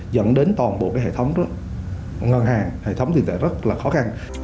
dẫn đến toàn bộ hệ thống ngân hàng hệ thống tiền tệ rất khó khăn